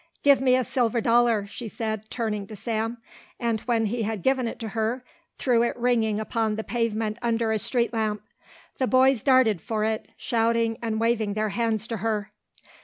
"Give me a silver dollar," she said, turning to Sam, and when he had given it to her, threw it ringing upon the pavement under a street lamp. The two boys darted for it, shouting and waving their hands to her.